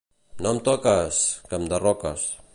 No em toques, que em derroques.